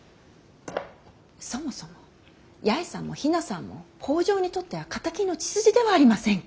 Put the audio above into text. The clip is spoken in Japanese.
そもそも八重さんも比奈さんも北条にとっては敵の血筋ではありませんか。